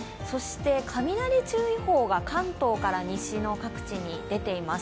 雷注意報が関東から西の各地に出ています。